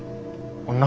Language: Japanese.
女